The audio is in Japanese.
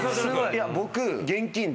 いや僕。